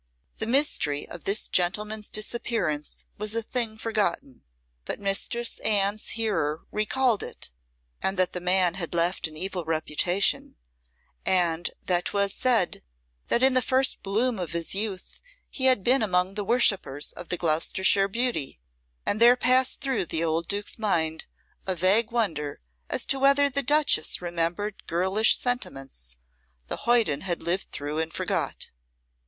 The mystery of this gentleman's disappearance was a thing forgotten, but Mistress Anne's hearer recalled it, and that the man had left an evil reputation, and that 'twas said that in the first bloom of his youth he had been among the worshippers of the Gloucestershire beauty, and there passed through the old Duke's mind a vague wonder as to whether the Duchess remembered girlish sentiments the hoyden had lived through and forgot.